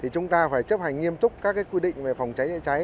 chúng ta phải chấp hành nghiêm túc các quy định về phòng cháy cháy